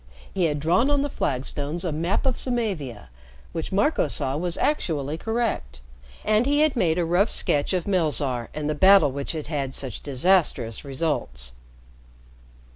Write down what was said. He had drawn on the flagstones a map of Samavia which Marco saw was actually correct, and he had made a rough sketch of Melzarr and the battle which had had such disastrous results.